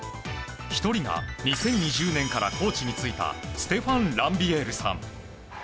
１人が、２０２０年からコーチについたステファン・ランビエールさん。